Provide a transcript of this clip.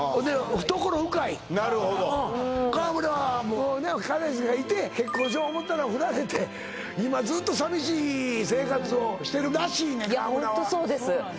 懐深い川村なるほど川村は彼氏がいて結婚しよう思うたらフラれて今ずっと寂しい生活をしてるらしいねんいやホントそうです